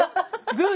グー。